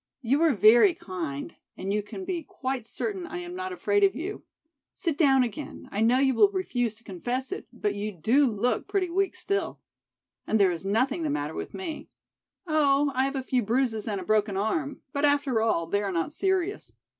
"You are very kind and you can be quite certain I am not afraid of you. Sit down again, I know you will refuse to confess it, but you do look pretty weak still. And there is nothing the matter with me. Oh, I have a few bruises and a broken arm, but after all they are not serious.